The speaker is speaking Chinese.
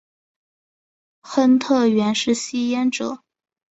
亨特原是吸烟者。